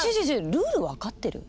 ルール分かってる？